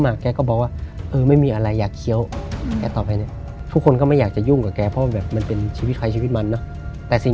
และเหมือนยืนรถน้ำใช้ชีวิตปกติเลย